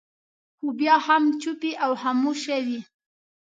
خو بیا هم چوپې او خاموشه وي.